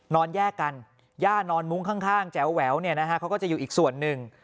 นอนแย่กันย่านอนมุ้งข้างแจ๋วแหววเขาก็จะอยู่อีกส่วนหนึ่ง